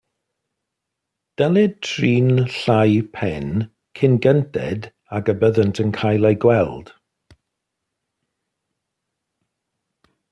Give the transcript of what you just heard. Dylid trin llau pen cyn gynted ag y byddant yn cael eu gweld.